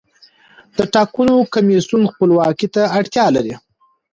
د ټاکنو کمیسیون خپلواکۍ ته اړتیا لري